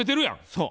そう。